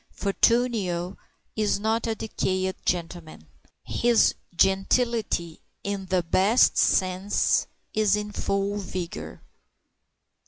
Fortunio is not a decayed gentleman. His gentility, in the best sense, is in full vigor.